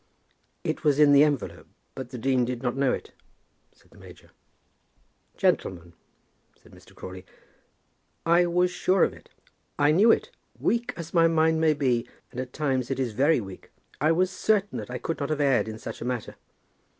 "It was in the envelope, but the dean did not know it," said the major. "Gentlemen," said Mr. Crawley, "I was sure of it. I knew it. Weak as my mind may be, and at times it is very weak, I was certain that I could not have erred in such a matter.